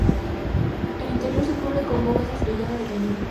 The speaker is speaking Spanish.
El interior se cubre con bóveda estrellada de cañón.